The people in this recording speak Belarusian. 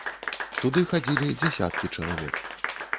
Туды хадзілі дзясяткі чалавек.